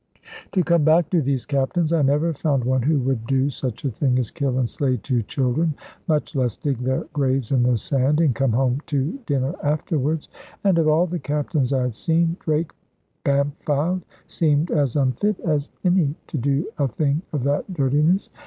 To come back to these captains. I never found one who would do such a thing as kill and slay two children, much less dig their graves in the sand, and come home to dinner afterwards. And of all the captains I had seen, Drake Bampfylde seemed as unfit as any to do a thing of that dirtiness.